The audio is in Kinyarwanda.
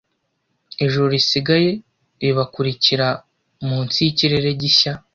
Ijuru risigaye ribakurikira munsi yikirere gishya